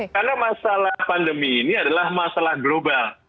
karena masalah pandemi ini adalah masalah global